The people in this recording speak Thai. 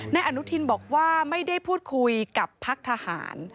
นายอนุทินบอกว่าไม่ได้พูดคุยกับพักทหาร